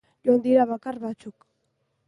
Joan dira bakar batzuk.